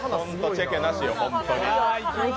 チェケなしよ、ほんとに。